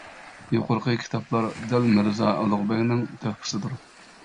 يۇقىرىقى كىتابلار دەل مىرزا ئۇلۇغبەگنىڭ تۆھپىسىدۇر.